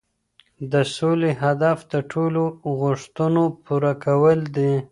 د سولې هدف د ټولو د غوښتنو پوره کول دي.